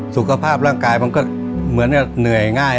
สุขภาพร่างกายมันก็เหมือนเหนื่อยง่าย